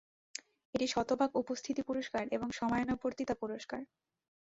এটি শতভাগ উপস্থিতি পুরস্কার এবং সময়ানুবর্তিতা পুরস্কার।